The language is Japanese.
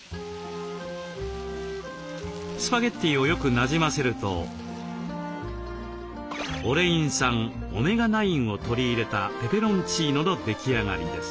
スパゲッティをよくなじませるとオレイン酸オメガ９を取り入れたペペロンチーノの出来上がりです。